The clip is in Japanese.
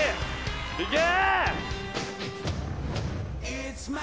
いけ！